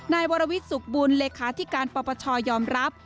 นายวรวิทย์สุขบุญเลขาธิการปปชยอมรับ